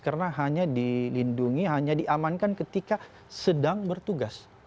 karena hanya dilindungi hanya diamankan ketika sedang bertugas